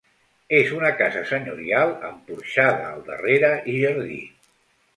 És una casa senyorial amb porxada al darrere i jardí.